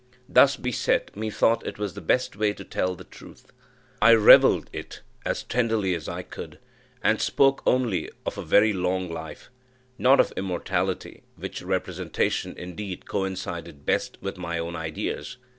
Thus beset, methought it was the best way to tell the truth. I reveled it as tenderly as I could, and spoke only of a very long life, not of immortality which representation, indeed, coincided best with my own ideas.